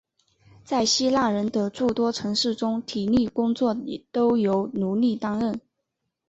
在希腊人的诸多城市中体力工作都由奴隶担任。